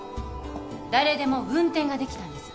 誰でも運転ができたんです。